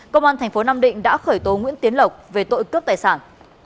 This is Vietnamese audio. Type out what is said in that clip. công an tp nam định đã khởi tố nguyễn tiến lộc về tội cướp tài sản